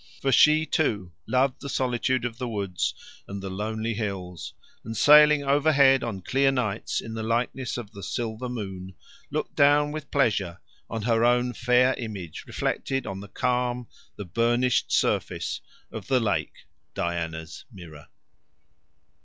For she, too, loved the solitude of the woods and the lonely hills, and sailing overhead on clear nights in the likeness of the silver moon looked down with pleasure on her own fair image reflected on the calm, the burnished surface of the lake, Diana's Mirror.